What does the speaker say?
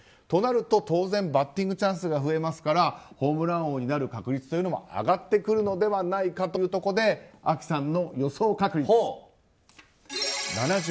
となると、当然バッティングチャンスが増えますからホームラン王になる確率も上がってくるのではないかということでＡＫＩさんの予想確率７０％。